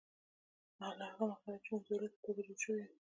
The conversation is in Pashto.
له هغه مهاله چې موږ د ولس په توګه جوړ شوي یو